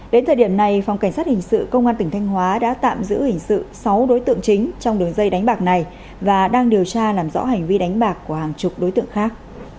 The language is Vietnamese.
đến thời điểm này phòng cảnh sát hình sự công an tỉnh thanh hóa đã tạm giữ hình sự sáu đối tượng chính trong đường dây đánh bạc này và đang điều tra làm rõ hành vi đánh bạc của hàng chục đối tượng khác